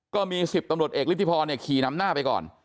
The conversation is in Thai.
ก็มี๑๐ตำรวจเอกฤทธิพรขี่นำหน้าไปก่อน